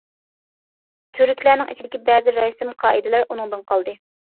تۈركلەرنىڭ ئىچىدىكى بەزى رەسىم-قائىدىلەر ئۇنىڭدىن قالدى.